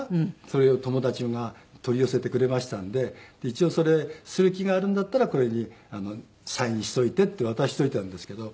それを友達が取り寄せてくれましたんで一応それする気があるんだったらこれにサインしておいてって渡しておいたんですけど。